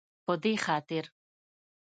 په دې خاطر